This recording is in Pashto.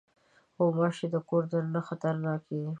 غوماشې د کور دننه خطرناکې دي.